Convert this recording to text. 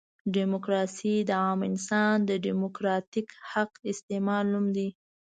ډیموکراسي د عام انسان د ډیموکراتیک حق استعمال نوم دی.